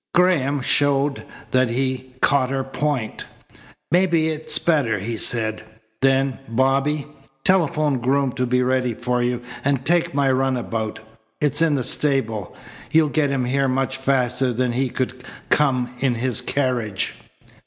Graham showed that he caught her point. "Maybe it's better," he said. "Then, Bobby, telephone Groom to be ready for you, and take my runabout. It's in the stable. You'll get him here much faster than he could come in his carriage."